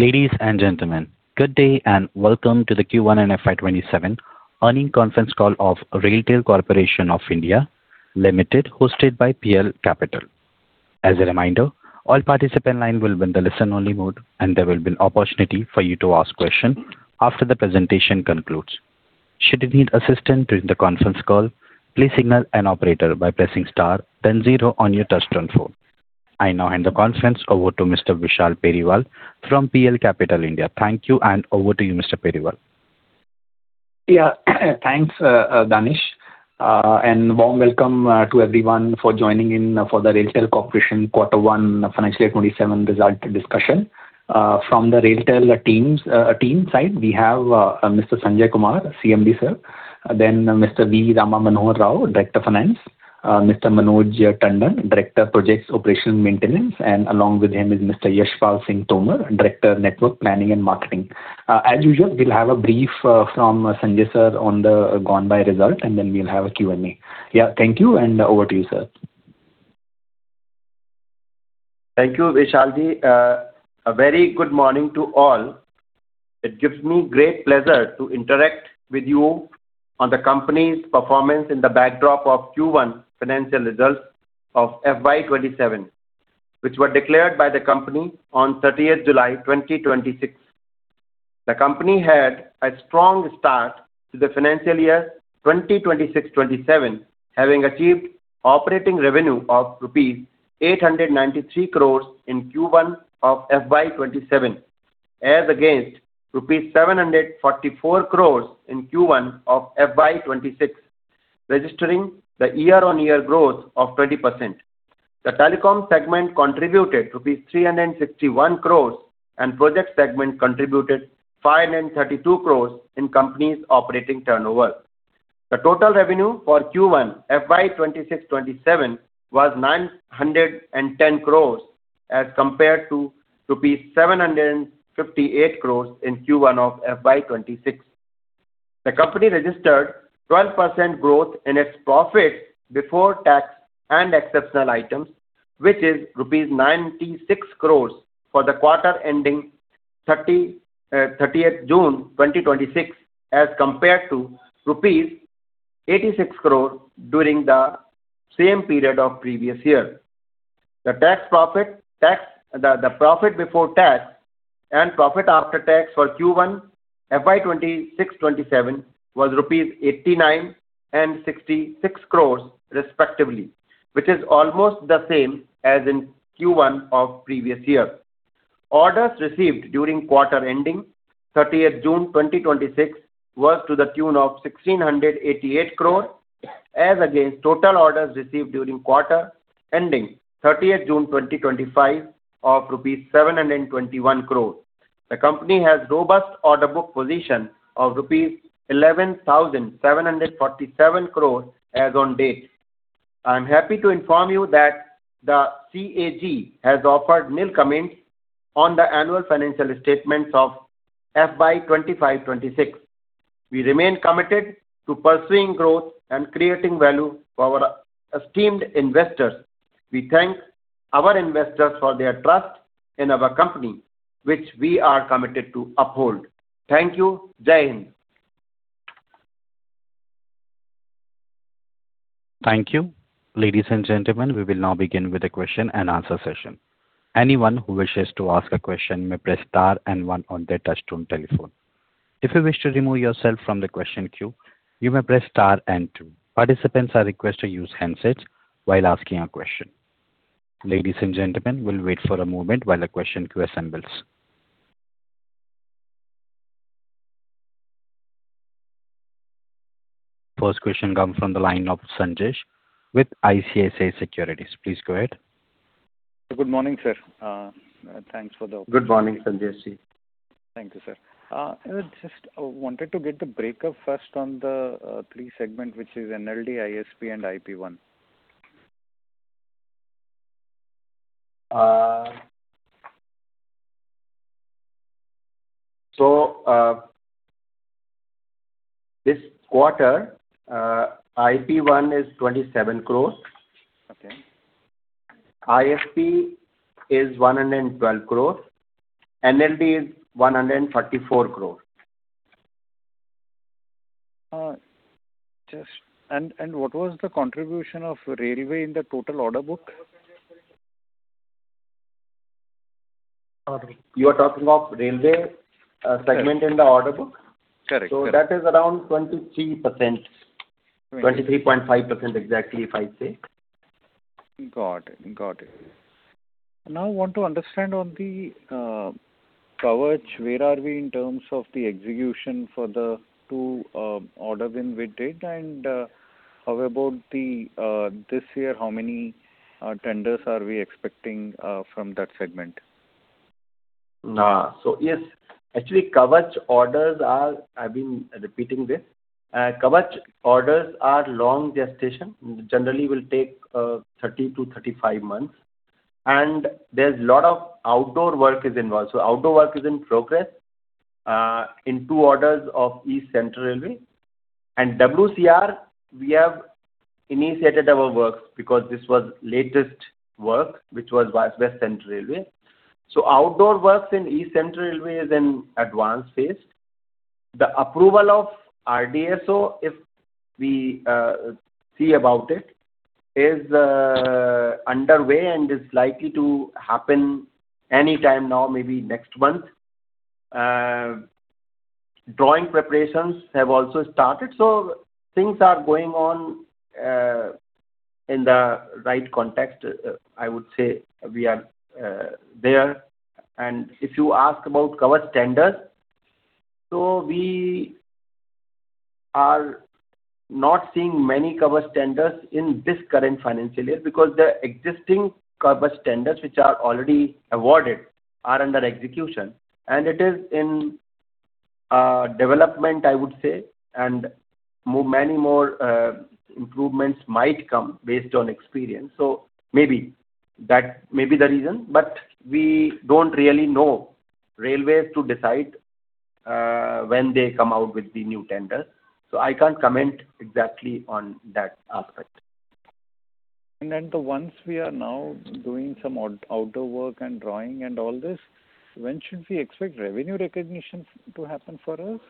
Ladies and gentlemen, good day and welcome to the Q1 and FY 2027 earnings conference call of RailTel Corporation of India Limited, hosted by PL Capital. As a reminder, all participant lines will be in the listen-only mode, and there will be an opportunity for you to ask questions after the presentation concludes. Should you need assistance during the conference call, please signal an operator by pressing star then zero on your touch-tone phone. I now hand the conference over to Mr. Vishal Periwal from PL Capital. Thank you, and over to you, Mr. Periwal. Thanks, Danish, and warm welcome to everyone for joining in for the RailTel Corporation Q1 financial year 2027 result discussion. From the RailTel team side, we have Mr. Sanjai Kumar, CMD, sir. Mr. V. Rama Manohara Rao, Director of Finance. Mr. Manoj Tandon, Director of Projects, Operations, and Maintenance. Along with him is Mr. Yashpal Singh Tomar, Director of Network Planning and Marketing. As usual, we'll have a brief from Sanjai Sir on the gone-by result, and then we'll have a Q&A. Thank you, and over to you, sir. Thank you, Vishal. A very good morning to all. It gives me great pleasure to interact with you on the company's performance in the backdrop of Q1 financial results of FY 2027, which were declared by the company on 30th July 2026. The company had a strong start to the financial year 2026/2027, having achieved operating revenue of rupees 893 crore in Q1 of FY 2027, as against rupees 744 crore in Q1 of FY 2026, registering the year-on-year growth of 20%. The telecom segment contributed INR 361 crore and projects segment contributed 532 crore in company's operating turnover. The total revenue for Q1 FY 2026/2027 was 910 crore as compared to rupees 758 crore in Q1 of FY 2026. The company registered 12% growth in its profit before tax and exceptional items, which is rupees 96 crore for the quarter ending 30th June 2026 as compared to rupees 86 crore during the same period of previous year. The profit before tax and profit after tax for Q1 FY 2026/2027 was rupees 89 and 66 crore respectively, which is almost the same as in Q1 of previous year. Orders received during quarter ending 30th June 2026 was to the tune of 1,688 crore as against total orders received during quarter ending 30th June 2025 of INR 721 crore. The company has robust order book position of INR 11,747 crore as on date. I'm happy to inform you that the CAG has offered nil comments on the annual financial statements of FY 2025/2026. We remain committed to pursuing growth and creating value for our esteemed investors. We thank our investors for their trust in our company, which we are committed to uphold. Thank you. [Jai Hind]. Thank you. Ladies and gentlemen, we will now begin with a question and answer session. Anyone who wishes to ask a question may press star and one on their touch-tone telephone. If you wish to remove yourself from the question queue, you may press star and two. Participants are requested to use handsets while asking a question. Ladies and gentlemen, we will wait for a moment while the question queue assembles. First question comes from the line of Sanjesh with ICICI Securities. Please go ahead. Good morning, sir. Good morning, Sanjesh. Thank you, sir. I just wanted to get the breakup first on the three segments, which is NLD, ISP, and IP-1. This quarter, IP-1 is 27 crore. Okay. ISP is 112 crore. NLD is 134 crore. What was the contribution of railway in the total order book? You are talking of railway segment in the order book? Correct. That is around 23%, 23.5% exactly, if I say. Got it. I want to understand on the Kavach, where are we in terms of the execution for the two orders in and how about this year, how many tenders are we expecting from that segment? Yes, actually, Kavach orders are, I've been repeating this. Kavach orders are long gestation, generally will take 30-35 months. There's lot of outdoor work is involved. Outdoor work is in progress in two orders of East Central Railway and WCR, we have initiated our work because this was latest work, which was West Central Railway. Outdoor works in East Central Railway is in advance phase. The approval of RDSO, if we see about it, is underway and is likely to happen any time now, maybe next month. Drawing preparations have also started. Things are going on in the right context, I would say we are there. If you ask about Kavach tenders, we are not seeing many Kavach tenders in this current financial year because the existing Kavach tenders, which are already awarded, are under execution and it is in development, I would say, and many more improvements might come based on experience. Maybe that may be the reason, but we don't really know. Railways to decide when they come out with the new tender. I can't comment exactly on that aspect. The ones we are now doing some outdoor work and drawing and all this, when should we expect revenue recognition to happen for us?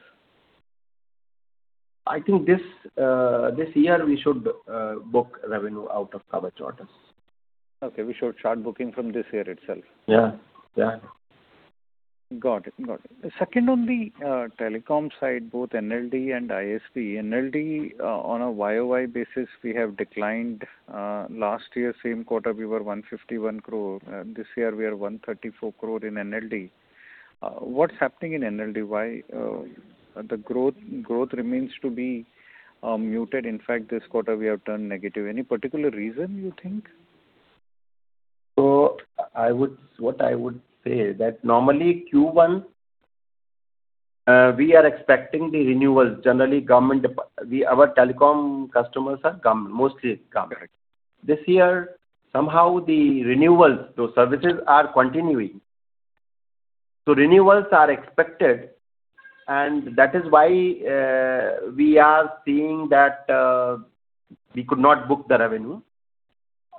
I think this year we should book revenue out of Kavach orders. Okay. We should start booking from this year itself. Yeah. Got it. Second, on the telecom side, both NLD and ISP. NLD on a year-over-year basis, we have declined. Last year, same quarter, we were 151 crore. This year, we are 134 crore in NLD. What's happening in NLD? Why the growth remains to be muted. In fact, this quarter, we have turned negative. Any particular reason you think? What I would say that normally Q1, we are expecting the renewals. Generally, our telecom customers are mostly government. This year, somehow the renewals, those services are continuing. Renewals are expected, and that is why we are seeing that we could not book the revenue.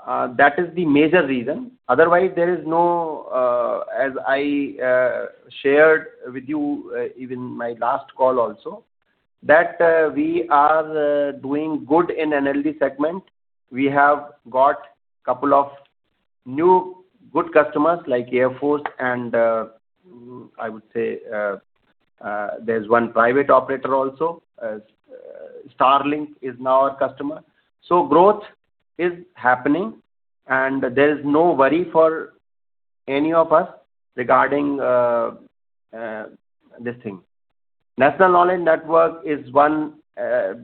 That is the major reason. Otherwise, as I shared with you, even my last call also, that we are doing good in NLD segment. We have got couple of new good customers like Air Force and, I would say, there's one private operator also. Starlink is now our customer. Growth is happening, and there's no worry for any of us regarding this thing. National Knowledge Network is one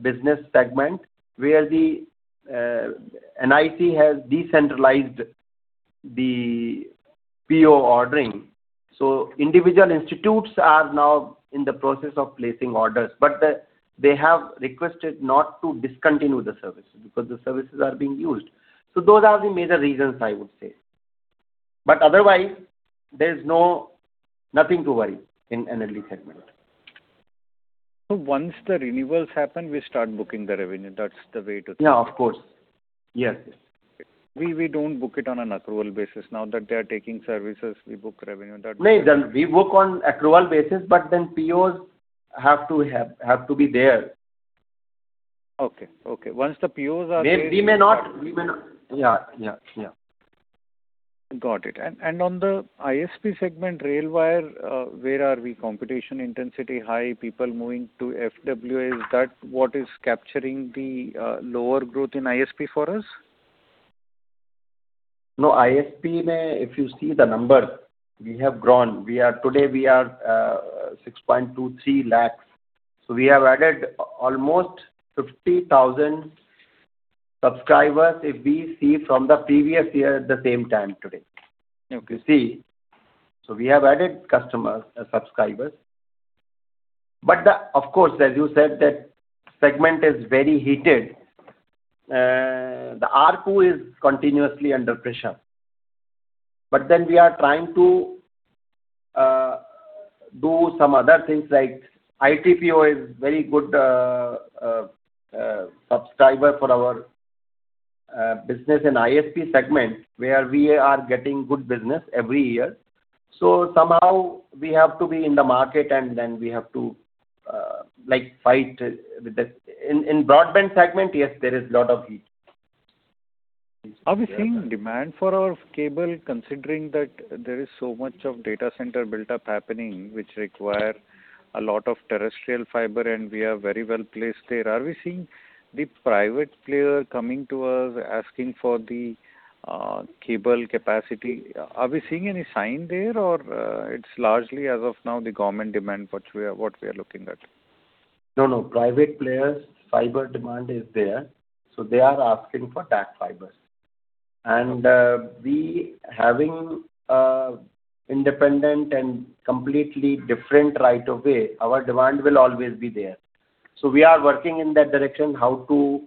business segment where the NIC has decentralized the PO ordering. Individual institutes are now in the process of placing orders, but they have requested not to discontinue the services because the services are being used. Those are the major reasons I would say. Otherwise, there's nothing to worry in NLD segment. Once the renewals happen, we start booking the revenue. That's the way to- Yeah, of course. Yes. We don't book it on an accrual basis. Now that they are taking services, we book revenue. No. We book on accrual basis. POs have to be there. Okay. Once the POs are there. We may not. On the ISP segment, RailWire, where are we? Competition intensity high, people moving to FWA. Is that what is capturing the lower growth in ISP for us? ISP, if you see the number, we have grown. Today we are 6.23 lakhs. We have added almost 50,000 subscribers if we see from the previous year at the same time today. Okay. We have added customers, subscribers. Of course, as you said, that segment is very heated. The ARPU is continuously under pressure. We are trying to do some other things, like ITPO is very good subscriber for our business in ISP segment, where we are getting good business every year. Somehow we have to be in the market and then we have to fight with the In broadband segment, yes, there is lot of heat. Are we seeing demand for our cable, considering that there is so much of data center built up happening, which require a lot of terrestrial fiber, and we are very well placed there. Are we seeing the private player coming to us asking for the cable capacity? Are we seeing any sign there or it's largely as of now the government demand what we are looking at? No. Private players, fiber demand is there. They are asking for dark fibers. We, having independent and completely different right of way, our demand will always be there. We are working in that direction, how to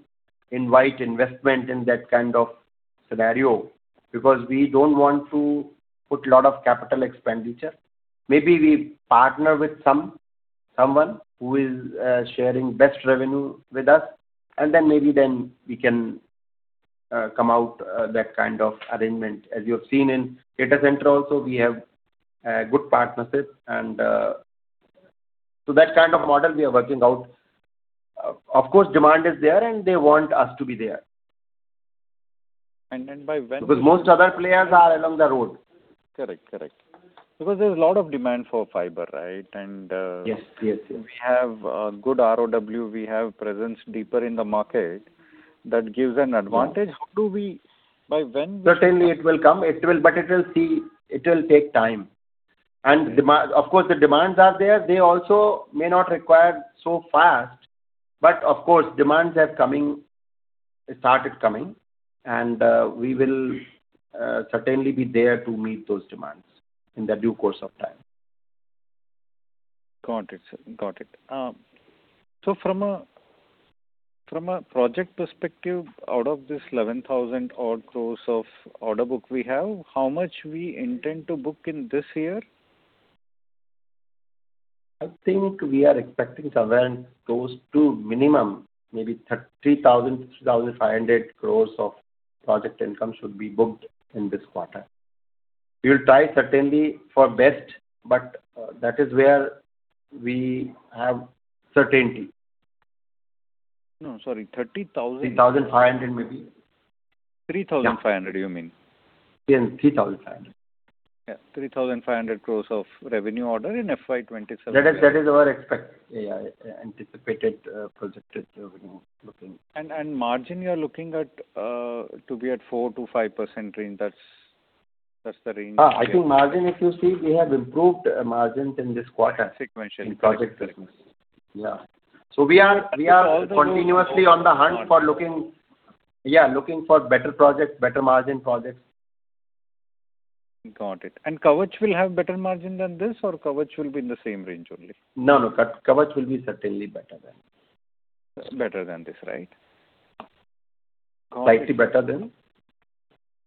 invite investment in that kind of scenario because we don't want to put a lot of capital expenditure. Maybe we partner with someone who is sharing best revenue with us, then maybe then we can come out that kind of arrangement. As you have seen in data center also, we have good partnerships. That kind of model we are working out. Of course, demand is there, and they want us to be there. Then by when- Most other players are along the road. Correct. There's a lot of demand for fiber, right? Yes. We have a good ROW, we have presence deeper in the market. That gives an advantage. How do we? Certainly, it will come. It will take time. Of course, the demands are there. They also may not require so fast. Of course, demands have started coming, and we will certainly be there to meet those demands in the due course of time. Got it. From a project perspective, out of this 11,000 odd crore of order book we have, how much we intend to book in this year? I think we are expecting somewhere close to minimum, maybe 3,000 crore-3,500 crore of project income should be booked in this quarter. We will try certainly for best, but that is where we have certainty. No, sorry, 3,000? 3,500 maybe. 3,500, you mean? Yes, 3,500. Yeah. 3,500 crore of revenue order in FY 2027. That is our anticipated projected revenue looking. Margin you are looking at to be at 4%-5% range. That's the range. I think margin, if you see, we have improved margins in this quarter. Sequentially. In project business. Yeah. We are continuously on the hunt for looking for better projects, better margin projects. Got it. Kavach will have better margin than this, or Kavach will be in the same range only? No, Kavach will be certainly better than. Better than this, right? Slightly better than.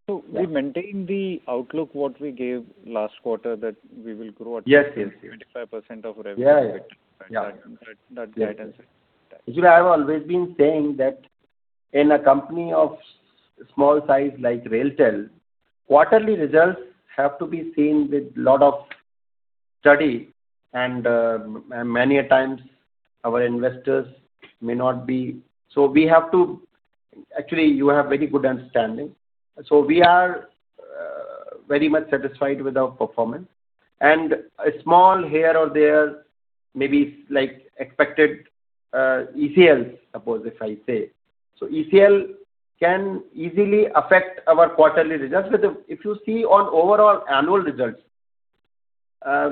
We maintain the outlook what we gave last quarter that we will grow at. Yes. 25% of revenue. Yeah. That guidance. You see, I have always been saying that in a company of small size like RailTel, quarterly results have to be seen with lot of study and many a times our investors may not be. Actually, you have very good understanding. We are very much satisfied with our performance and a small here or there, maybe like expected ECLs, suppose if I say. ECL can easily affect our quarterly results. If you see on overall annual results,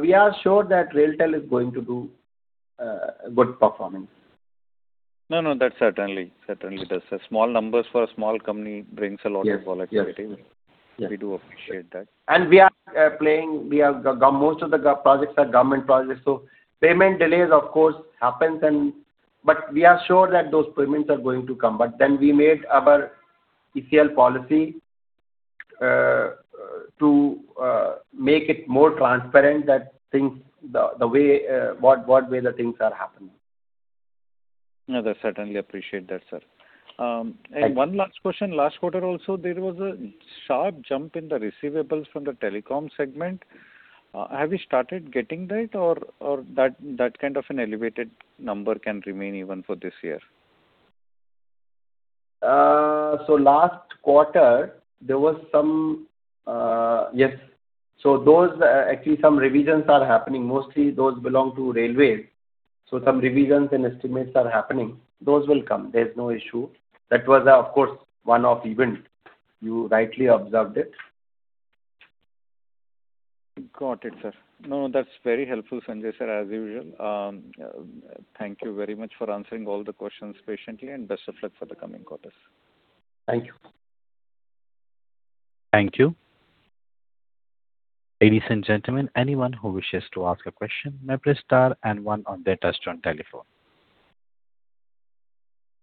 we are sure that RailTel is going to do a good performance. No, that certainly does. Small numbers for a small company brings a lot of volatility. Yes. We do appreciate that. Most of the projects are government projects, payment delays, of course, happens. We are sure that those payments are going to come. We made our ECL policy to make it more transparent what way the things are happening. No, I certainly appreciate that, sir. One last question. Last quarter also, there was a sharp jump in the receivables from the telecom segment. Have you started getting that or that kind of an elevated number can remain even for this year? Last quarter, there was Yes. Actually some revisions are happening. Mostly those belong to railway. Some revisions and estimates are happening. Those will come. There is no issue. That was, of course, one-off event. You rightly observed it. Got it, sir. That's very helpful, Sanjai, sir, as usual. Thank you very much for answering all the questions patiently, best of luck for the coming quarters. Thank you. Thank you. Ladies and gentlemen, anyone who wishes to ask a question may press star and one on their touch-tone telephone.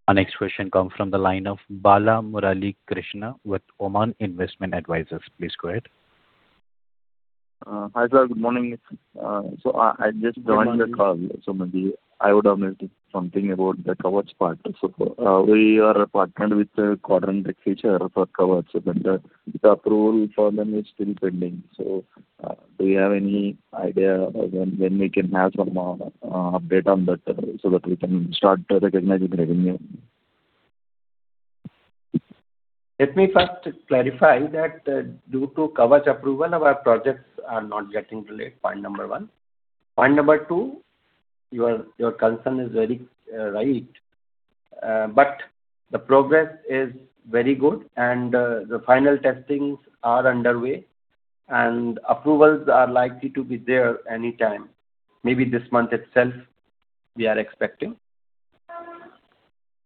Our next question comes from the line of Bala Murali Krishna with Oman Investment Advisors. Please go ahead. Hi, sir. Good morning. I just joined the call. Maybe I would have missed something about the Kavach part. We are partnered with Quadrant Future Tek for Kavach and the approval for them is still pending. Do you have any idea when we can have some update on that so that we can start recognizing revenue? Let me first clarify that due to Kavach approval, our projects are not getting delayed, point number one. Point number two, your concern is very right. The progress is very good and the final testings are underway and approvals are likely to be there any time. Maybe this month itself, we are expecting.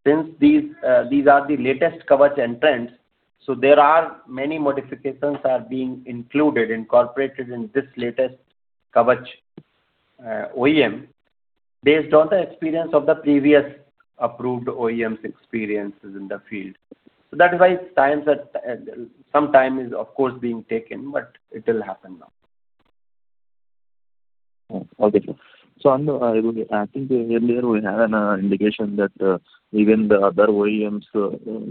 Since these are the latest Kavach entrants, there are many modifications are being included, incorporated in this latest Kavach OEM based on the experience of the previous approved OEMs experiences in the field. That is why some time is of course being taken, but it will happen now. I think earlier we had an indication that even the other OEMs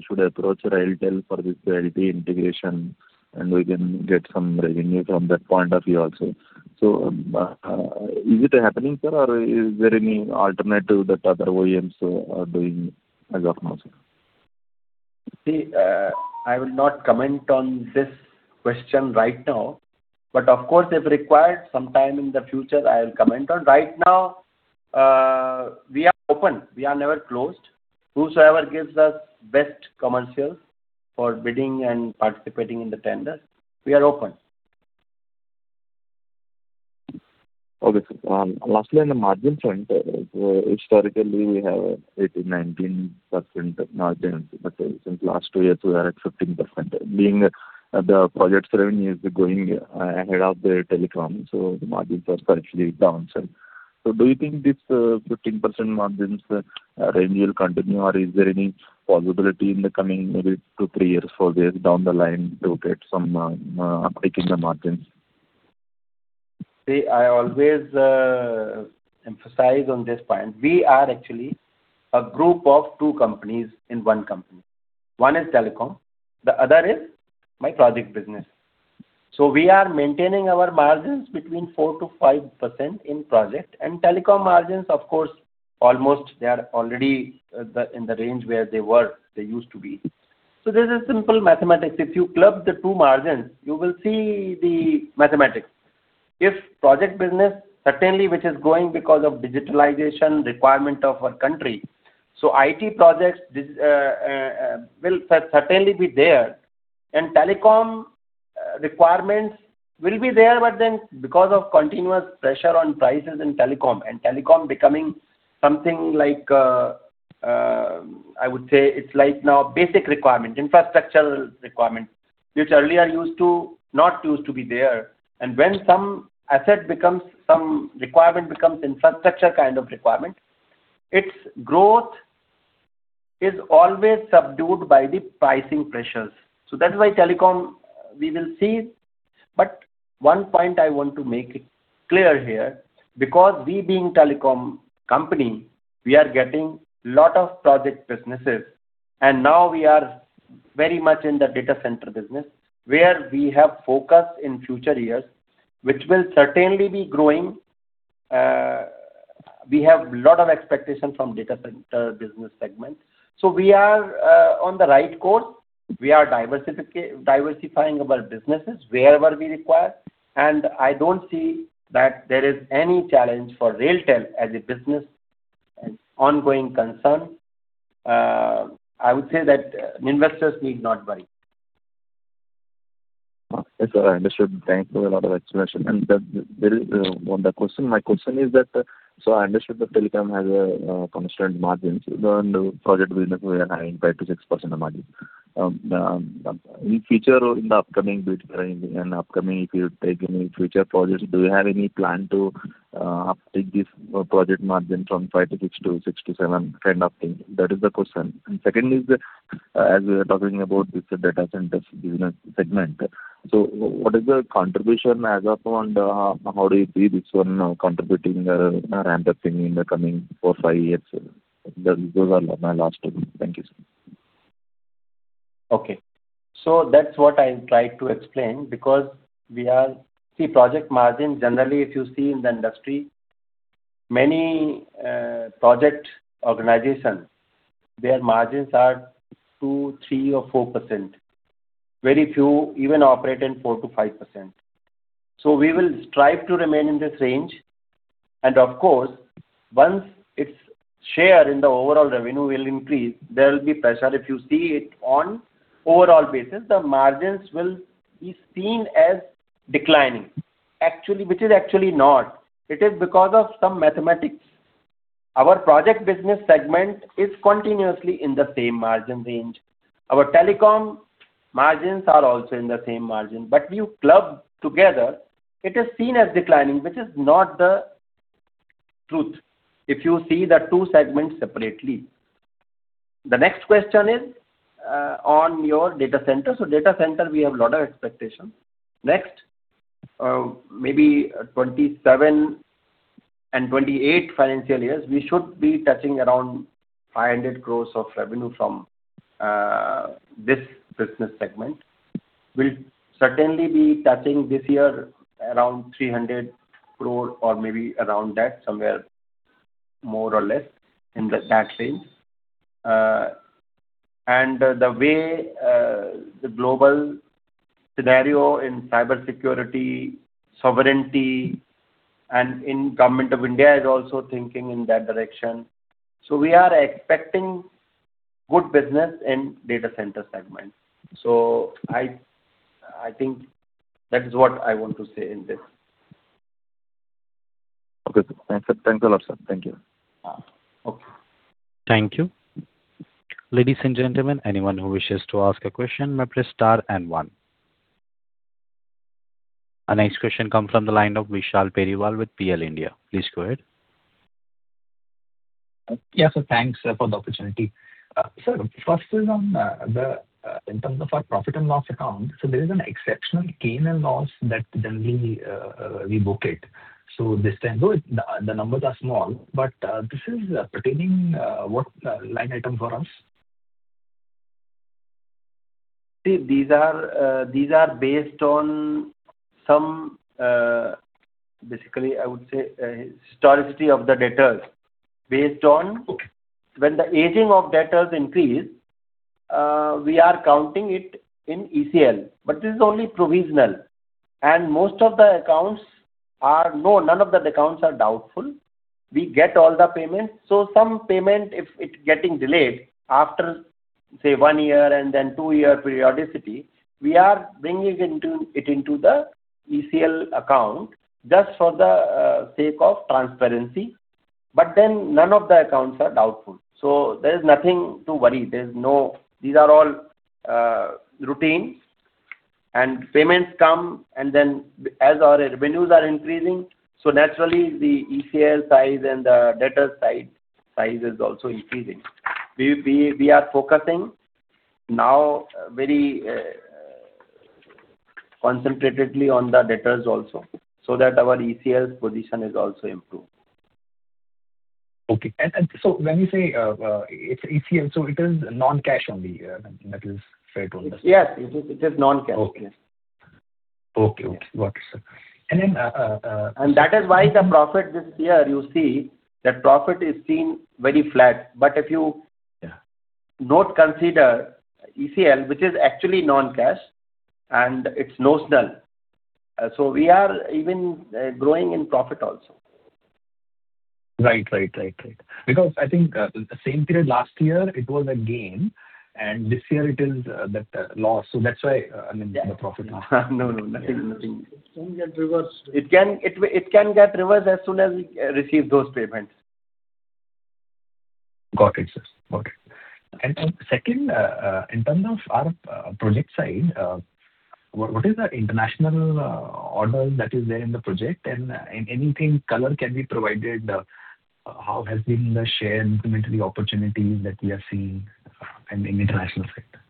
should approach RailTel for this IT integration, and we can get some revenue from that point of view also. Is it happening, sir? Is there any alternative that other OEMs are doing as of now, sir? See, I will not comment on this question right now. Of course, if required, sometime in the future, I will comment on. Right now, we are open. We are never closed. Whosoever gives us best commercials for bidding and participating in the tender, we are open. Okay, sir. Lastly, on the margin front, historically, we have 18%-19% margins. Since last two years, we are at 15%. Being the project revenue is going ahead of the telecom, the margins are partially down, sir. Do you think this 15% margins range will continue, or is there any possibility in the coming maybe two, three years, four years down the line to get some hike in the margins? See, I always emphasize on this point. We are actually a group of two companies in one company. One is telecom, the other is my project business. We are maintaining our margins between 4%-5% in project. Telecom margins, of course, almost they are already in the range where they used to be. This is simple mathematics. If you club the two margins, you will see the mathematics. If project business, certainly which is growing because of digitalization requirement of our country. IT projects will certainly be there, and telecom requirements will be there. Because of continuous pressure on prices in telecom and telecom becoming something like, I would say, it's like now basic requirement, infrastructural requirement, which earlier not used to be there. When some requirement becomes infrastructure kind of requirement, its growth is always subdued by the pricing pressures. That's why telecom, we will see. One point I want to make it clear here, because we being telecom company, we are getting lot of project businesses. Now we are very much in the data center business, where we have focus in future years, which will certainly be growing. We have lot of expectation from data center business segment. We are on the right course. We are diversifying our businesses wherever we require, and I don't see that there is any challenge for RailTel as a business ongoing concern. I would say that investors need not worry. Okay, sir. Understood. Thanks for a lot of explanation. My question is that, I understood the telecom has a constant margins, project business we are having 5%-6% margin. In future, in the upcoming bid and upcoming, if you take any future projects, do you have any plan to uptake this project margin from 5%-6% to 6%-7% kind of thing? That is the question. Second is, as we were talking about this data centers business segment. What is the contribution as of, and how do you see this one contributing random thing in the coming four, five years? Those are my last two. Thank you, sir. Okay. That's what I tried to explain because See project margin, generally, if you see in the industry, many project organizations, their margins are 2%, 3% or 4%. Very few even operate in 4%-5%. We will strive to remain in this range. Of course, once its share in the overall revenue will increase, there will be pressure. If you see it on overall basis, the margins will be seen as declining. Which is actually not. It is because of some mathematics. Our project business segment is continuously in the same margin range. Our telecom margins are also in the same margin. You club together, it is seen as declining, which is not the truth, if you see the two segments separately. The next question is on your data center. Data center, we have a lot of expectation. Next, maybe 2027 and 2028 financial years, we should be touching around 500 crore of revenue from this business segment. We'll certainly be touching this year around 300 crore or maybe around that, somewhere more or less in that range. The way the global scenario in cybersecurity, sovereignty, and in Government of India is also thinking in that direction. We are expecting good business in data center segment. I think that is what I want to say in this. Okay, sir. Thanks a lot, sir. Thank you. Okay. Thank you. Ladies and gentlemen, anyone who wishes to ask a question may press star and one. Our next question comes from the line of Vishal Periwal with PL Capital. Please go ahead. Yes, sir. Thanks for the opportunity. Sir, first is on the, in terms of our profit and loss account. There is an exceptional gain and loss that then we book it. This time though, the numbers are small, but this is pertaining what line item for us? See, these are based on some, I would say, historicity of the debtors. Based on when the aging of debtors increase, we are counting it in ECL. This is only provisional. None of the accounts are doubtful. We get all the payments. Some payment, if it's getting delayed after, say, one year and then two year periodicity, we are bringing it into the ECL account just for the sake of transparency. None of the accounts are doubtful. There's nothing to worry. These are all routines. Payments come and then as our revenues are increasing, naturally the ECL size and the debtor size is also increasing. We are focusing now very concentratedly on the debtors also, so that our ECL position is also improved. Okay. When you say ECL, it is non-cash only, that is fair to understand. Yes. It is non-cash. Okay. Got it, sir. The profit this year, you see, the profit is seen very flat. Yeah not consider ECL, which is actually non-cash, and it's null. We are even growing in profit also. Right. I think the same period last year, it was a gain, and this year it is that loss. That's why, I mean, the profit. No, nothing. It can get reversed. It can get reversed as soon as we receive those payments. Got it, sir. Second, in terms of our project side, what is the international order that is there in the project? Anything color can be provided, how has been the share in complementary opportunities that we are seeing in international sector?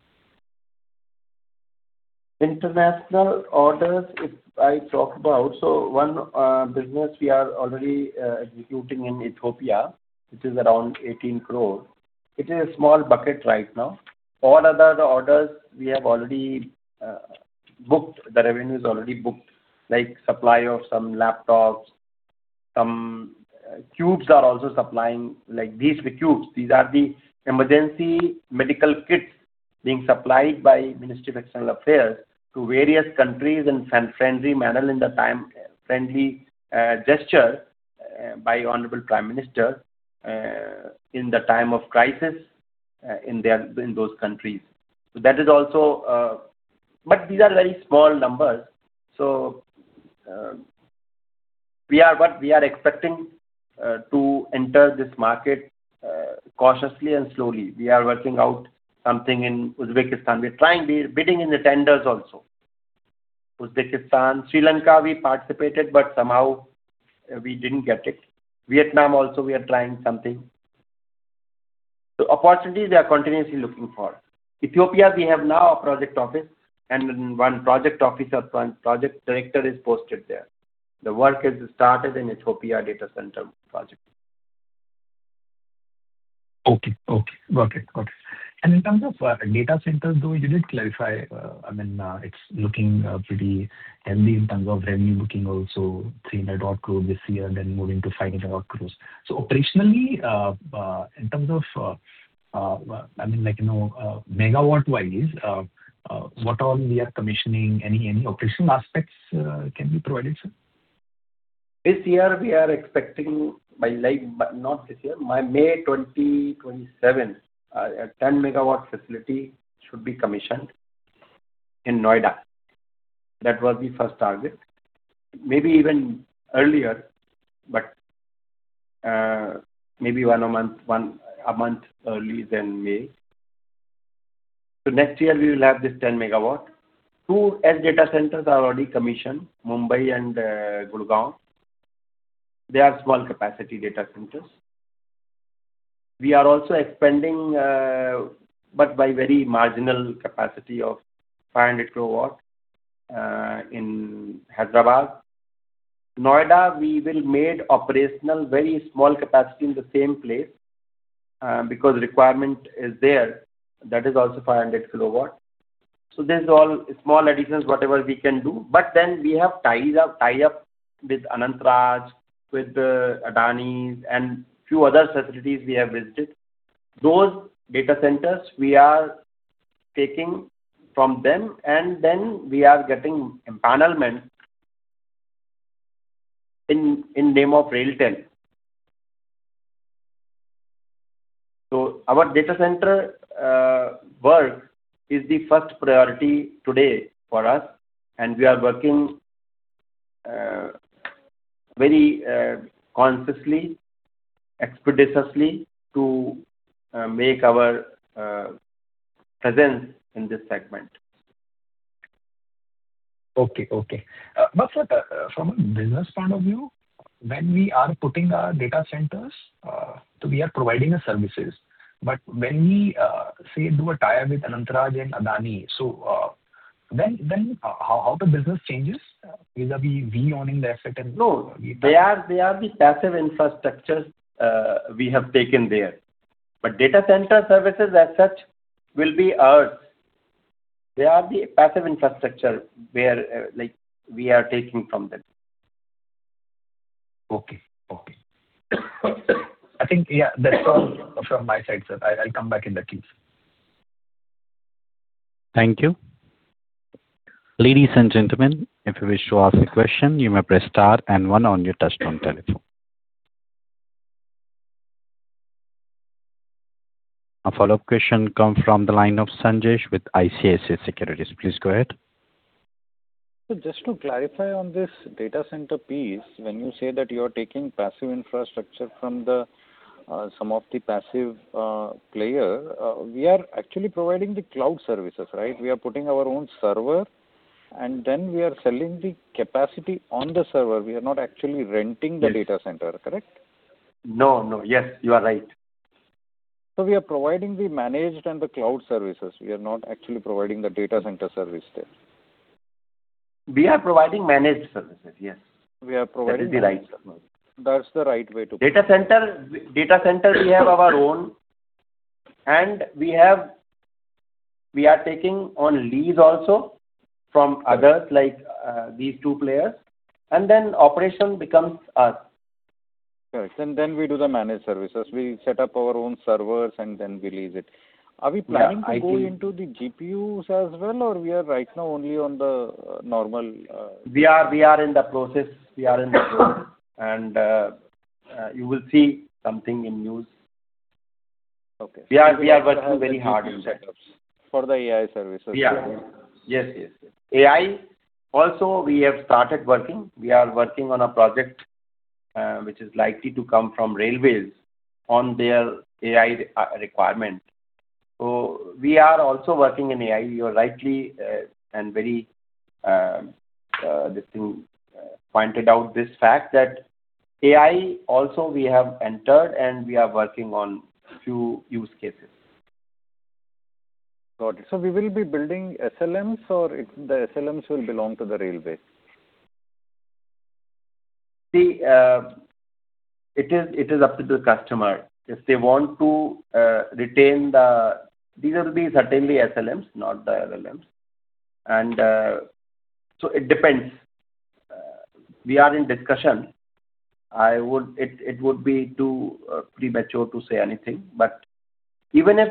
International orders, if I talk about, one business we are already executing in Ethiopia, which is around 18 crore. It is a small bucket right now. All other orders we have already booked, the revenue is already booked, like supply of some laptops, some cubes are also supplying. Like these cubes, these are the emergency medical kits being supplied by Ministry of External Affairs to various countries in friendly manner in the time, friendly gesture by Honorable Prime Minister, in the time of crisis in those countries. These are very small numbers. We are expecting to enter this market cautiously and slowly. We are working out something in Uzbekistan. We're trying, we're bidding in the tenders also. Uzbekistan, Sri Lanka, we participated, but somehow we didn't get it. Vietnam also, we are trying something. Opportunities we are continuously looking for. Ethiopia, we have now a project office and one project officer, one project director is posted there. The work is started in Ethiopia data center project. Okay. Got it. In terms of data centers, though, you did clarify, I mean, it's looking pretty healthy in terms of revenue booking also, 300 crore this year and then moving to 500 crore. Operationally, in terms of, I mean, like megawatt wise, what all we are commissioning, any operational aspects can be provided, sir? This year we are expecting by like May 2027, a 10 MW facility should be commissioned in Noida. That was the first target. Maybe even earlier, but maybe one month early than May. Next year we will have this 10 MW. Two edge data centers are already commissioned, Mumbai and Gurgaon. They are small capacity data centers. We are also expanding, but by very marginal capacity of 500 kW in Hyderabad. Noida, we will made operational very small capacity in the same place, because requirement is there. That is also 500 kW. This is all small additions, whatever we can do. We have tie-up with Anant Raj, with Adani, and few other facilities we have visited. Those data centers we are taking from them, and then we are getting empanelment in name of RailTel. Our data center work is the first priority today for us, and we are working very consciously, expeditiously to make our presence in this segment. Okay. Sir, from a business point of view, when we are putting our data centers, we are providing services. When we, say, do a tie-up with Anant Raj and Adani, how the business changes? Will that be we owning the asset? No. They are the passive infrastructures we have taken there. Data center services as such will be ours. They are the passive infrastructure we are taking from them. Okay. I think, yeah, that's all from my side, sir. I'll come back in the queue, sir. Thank you. Ladies and gentlemen, if you wish to ask a question, you may press star and one on your touch-tone telephone. A follow-up question come from the line of Sanjesh with ICICI Securities. Please go ahead. Just to clarify on this data center piece, when you say that you are taking passive infrastructure from some of the passive player, we are actually providing the cloud services, right? We are putting our own server and then we are selling the capacity on the server. We are not actually renting the data center, correct? No, yes, you are right. We are providing the managed and the cloud services. We are not actually providing the data center service there. We are providing managed services, yes. We are providing. That is the right term. That's the right way to put it. Data center, we have our own, and we are taking on lease also from others, like these two players, and then operation becomes ours. Correct. We do the managed services. We set up our own servers, and then we lease it. Yeah. Are we planning to go into the GPUs as well, or we are right now only on the normal- We are in the process. You will see something in news. Okay. We are working very hard in setups. For the AI services, right? Yeah. Yes. AI, also, we have started working. We are working on a project, which is likely to come from Railways on their AI requirement. We are also working in AI. You are rightly and very, this thing, pointed out this fact that AI also we have entered, and we are working on few use cases. Got it. We will be building SLMs or the SLMs will belong to the Railway? See, it is up to the customer. If they want to retain the, these will be certainly SLMs, not the LLMs. It depends. We are in discussion. It would be too premature to say anything, but even if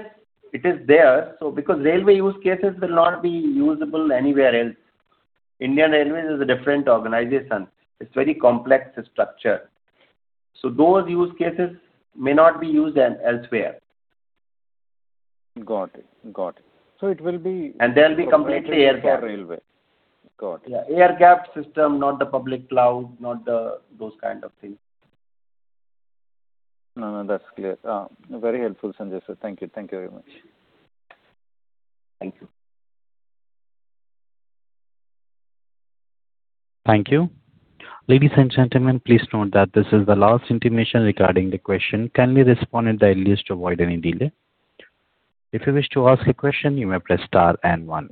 it is there, so because railway use cases will not be usable anywhere else. Indian Railways is a different organization. It is very complex structure. Those use cases may not be used elsewhere. Got it. They will be completely air-gapped. For railway, got it. Yeah. Air-gapped system, not the public cloud, not those kind of things. That's clear. Very helpful, Sanjai. Thank you very much. Thank you. Thank you. Ladies and gentlemen, please note that this is the last intimation regarding the question. Kindly respond in the earliest to avoid any delay. If you wish to ask a question, you may press star and one.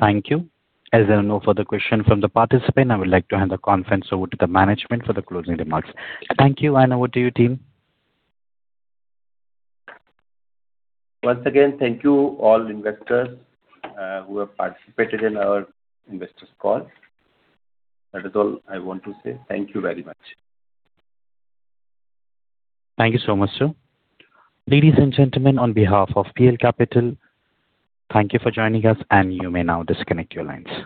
Thank you. As there are no further question from the participant, I would like to hand the conference over to the management for the closing remarks. Thank you. Over to you, team. Once again, thank you all investors who have participated in our investors' call. That is all I want to say. Thank you very much. Thank you so much, sir. Ladies and gentlemen, on behalf of PL Capital, thank you for joining us, and you may now disconnect your lines.